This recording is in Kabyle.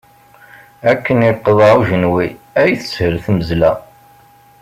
Akken iqḍeɛ ujenwi, ay teshel tmezla.